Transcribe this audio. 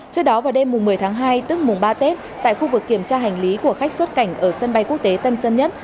trước đó vào đêm mùng một mươi tháng hai tức mùng ba tết tại khu vực kiểm tra hành lý của khách xuất cảnh ở sân bay quốc tế tân sơn nhất